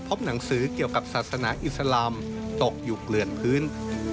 หนังสือเกี่ยวกับศาสนาอิสลามตกอยู่เกลื่อนพื้น